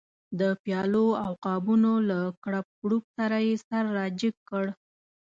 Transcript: د پیالو او قابونو له کړپ کړوپ سره یې سر را جګ کړ.